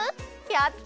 やった！